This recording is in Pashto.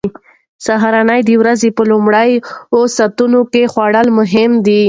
سهارنۍ د ورځې په لومړیو ساعتونو کې خوړل مهم دي.